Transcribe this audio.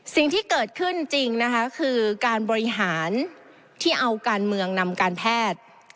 สิ่งที่เกิดขึ้นจริงนะคะคือการบริหารที่เอาการเมืองนำการแพทย์